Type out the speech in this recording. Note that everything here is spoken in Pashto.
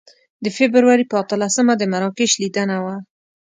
د فبروري په اتلسمه د مراکش لیدنه وه.